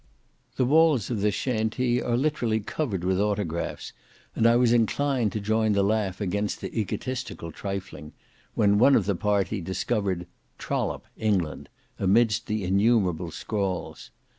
The walls of this Shantee are literally covered with autographs, and I was inclined to join the laugh against the egotistical trifling, when one of the party discovered "Trollope, England," amidst the innumerable scrawls.